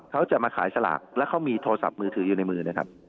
เขาจะมาขายสลากแล้วเขามีโทรศัพท์มือถืออยู่ในมือนะครับ